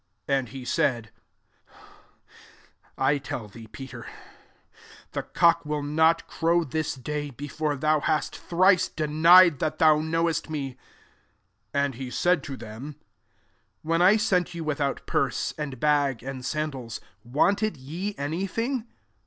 '* 34 And he said, " I ell thee, Peter, the cock will lot crow t this day, before thou kast thiice denied that thou tnowest me. 35 And he said to them, 'When I sent you without forse, and bag, and sandals, Unted ye any thing?"